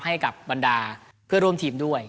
ให้กับบรรดาเพื่อร่วมทีมด้วย